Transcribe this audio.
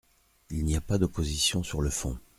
Il n’a pas d’opposition sur le fond.